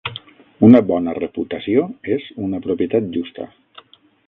Una bona reputació és una propietat justa.